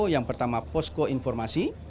yang pertama posko informasi